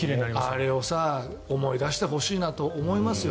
あれを思い出してほしいと思いますよ。